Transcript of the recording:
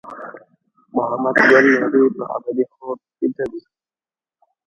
محمد ګل نوري په ابدي خوب بیده دی.